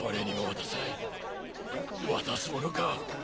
渡すものか。